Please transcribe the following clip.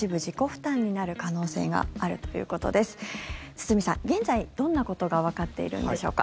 堤さん、現在どんなことがわかっているんでしょうか。